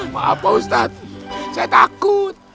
maaf pak ustadz saya takut